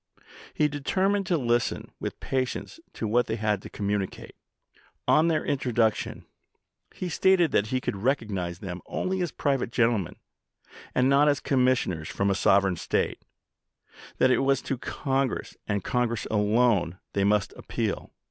" He deter mined to listen with patience to what they had to communicate. .. On their introduction he stated that he could recognize them only as private gentle men, and not as commissioners from a sovereign State ; that it was to Congress, and Congress alone, they must appeal.